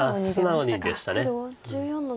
素直にでした。